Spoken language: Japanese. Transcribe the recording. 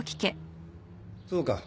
そうか。